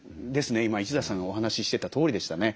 今一田さんがお話ししてたとおりでしたね。